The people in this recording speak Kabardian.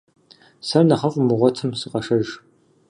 Сэр нэхъыфI умыгъуэтым, сыкъэшэж.